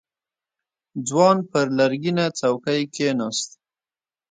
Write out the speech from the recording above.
ځوان پر لرګينه څوکۍ کېناست.